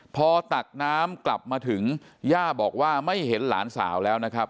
พอตักน้ำกลับมาถึงย่าบอกว่าไม่เห็นหลานสาวแล้วนะครับ